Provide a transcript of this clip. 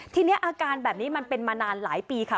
ทีนี้อาการแบบนี้มันเป็นมานานหลายปีค่ะ